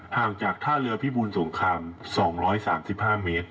ห่างจากท่าเรือพิบูลสงคราม๒๓๕เมตร